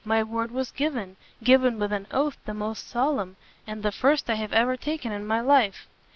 my word was given, given with an oath the most solemn, and the first I have ever taken in my life."